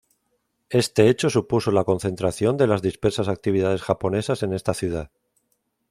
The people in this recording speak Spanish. Este hecho supuso la concentración de las dispersas actividades japonesas en esta ciudad.